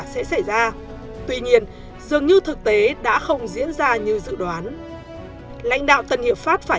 sẽ xảy ra tuy nhiên dường như thực tế đã không diễn ra như dự đoán lãnh đạo tân hiệp pháp phải